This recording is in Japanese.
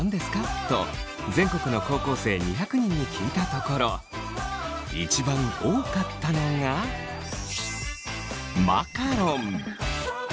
と全国の高校生２００人に聞いたところ一番多かったのがマカロン！